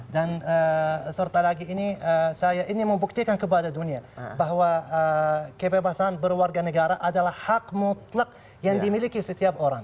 dan serta lagi ini saya ini membuktikan kepada dunia bahwa kebebasan berwarga negara adalah hak mutlak yang dimiliki setiap orang